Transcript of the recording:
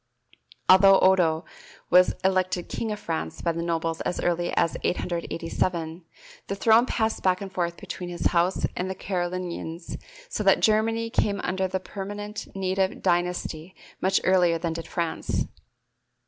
Although Odo was elected king of France by the nobles as early as 887, the throne passed back and forth between his house and the Carolingians, so that Germany came under a permanent native dynasty much earlier than did France.